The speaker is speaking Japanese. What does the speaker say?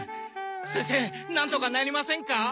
先生なんとかなりませんか？